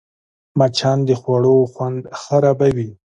مچان د خوړو خوند خرابوي